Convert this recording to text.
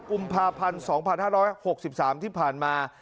กุมภาพันธ์๒๕๖๓ที่ผ่านมา